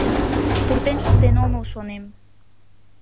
Пуртен шуктен омыл, шонем.